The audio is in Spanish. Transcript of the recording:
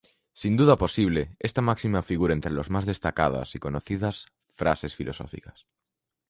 Sin duda posible, esta máxima figura entre las más destacadas y conocidas frases filosóficas.